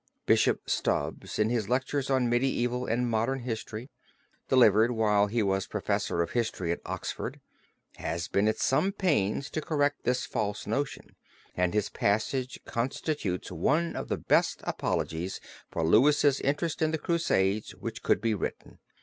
Bishop Stubbs in his lectures on Medieval and Modern History, delivered while he was professor of History at Oxford, has been at some pains to correct this false notion, and his passage constitutes one of the best apologies for Louis' interest in the Crusades which could be written.